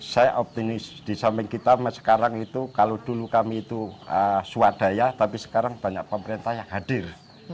saya optimis di samping kita sekarang itu kalau dulu kami itu swadaya tapi sekarang banyak pemerintah yang hadir